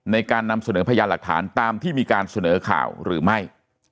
ในการนำเสนอพยานหลักฐานตามที่มีการเสนอข่าวหรือไม่